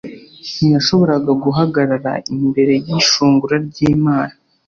ntiyashoboraga guhagarara imbere y'ishungura ry'Imana.